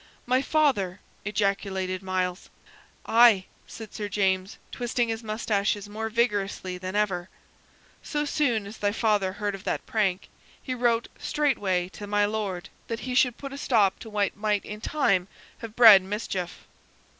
"My father!" ejaculated Myles. "Aye," said Sir James, twisting his mustaches more vigorously than ever. "So soon as thy father heard of that prank, he wrote straightway to my Lord that he should put a stop to what might in time have bred mischief."